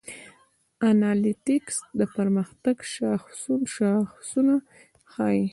انالیتکس د پرمختګ شاخصونه ښيي.